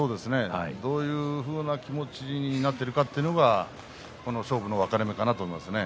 どういうふうな気持ちになっているかというのが勝負の分かれ目かなと思いますね。